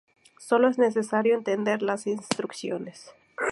Solo es necesario entender las instrucciones.